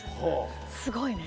すごいね。